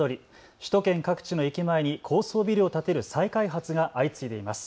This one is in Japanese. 首都圏各地の駅前に高層ビルを建てる再開発が相次いでいます。